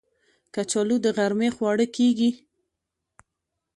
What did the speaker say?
کچالو د غرمې خواړه کېږي